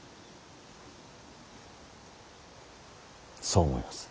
そう思います。